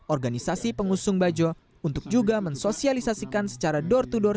organisasi pengusung bajo untuk juga mensosialisasikan secara door to door